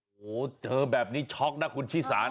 โหเจอแบบนี้ช็อกนะคุณชี่สาน